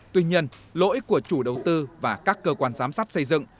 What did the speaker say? tuy nhiên lỗi của chủ đầu tư và các cơ quan giám sát xây dựng